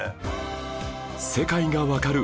『世界がわかる！